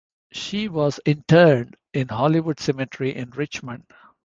She was interred in Hollywood Cemetery in Richmond.